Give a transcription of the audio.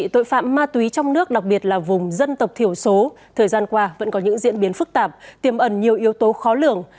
tội phạm ma túy trong nước đặc biệt là vùng dân tộc thiểu số thời gian qua vẫn có những diễn biến phức tạp tiềm ẩn nhiều yếu tố khó lường